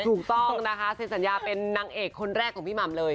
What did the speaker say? ถูกต้องนะคะเซ็นสัญญาเป็นนางเอกคนแรกของพี่หม่ำเลย